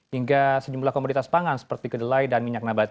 hingga sejumlah komoditas pangan seperti kedelai dan minyak nabati